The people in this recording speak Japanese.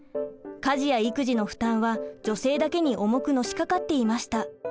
家事や育児の負担は女性だけに重くのしかかっていました。